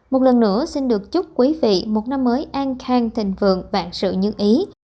một lần nữa xin được chúc quý vị một năm mới an khang thịnh vượng bản sự như ý